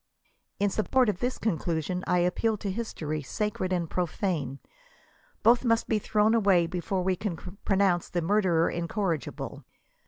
In support of this conclusion I appeal to history, sacred and profane. Both must be thrown away before we can pronounce the murderer incorrigible.